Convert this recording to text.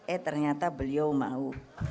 eh ternyata beliau mau